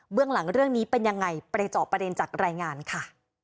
เรื่องหลังเรื่องนี้เป็นยังไงไปเจาะประเด็นจากรายงานค่ะ